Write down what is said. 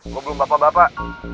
gue belum bapak bapak